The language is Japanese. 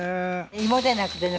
芋でなくてね